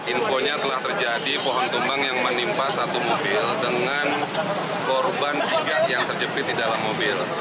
infonya telah terjadi pohon tumbang yang menimpa satu mobil dengan korban tiga yang terjepit di dalam mobil